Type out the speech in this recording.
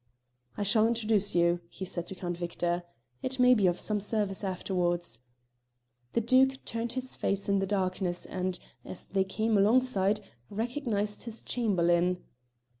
"I shall introduce you," he said to Count Victor. "It may be of some service afterwards." The Duke turned his face in the darkness, and, as they came alongside, recognised his Chamberlain.